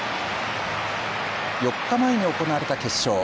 ４日前に行われた決勝。